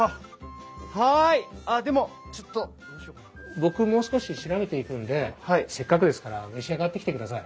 僕もう少し調べていくんでせっかくですから召し上がってきてください。